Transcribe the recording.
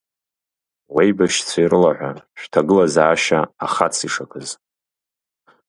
Уеибашьцәа ирылаҳәа шәҭагылазаашьа ахац ишакыз!